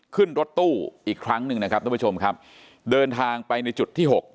ขึ้นรถตู้อีกครั้งหนึ่งนะครับท่านผู้ชมครับเดินทางไปในจุดที่หก